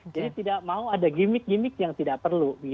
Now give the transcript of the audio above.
jadi tidak mau ada gimmick gimmick yang tidak perlu